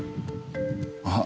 あっ！